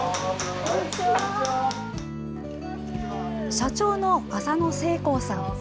社長の浅野盛光さん。